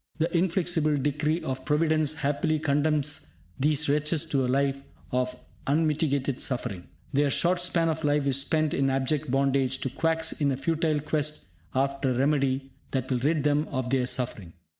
The inflexible decree of Providence happily condemns these wretches to a life of unmitigated suffering. Their short span of life is spent in abject bondage to quacks in a futile quest after a remedy that will rid them of their suffering.